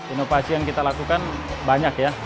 inovasi yang kita lakukan banyak ya